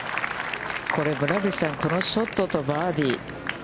これ、村口さん、このショットとバーディー。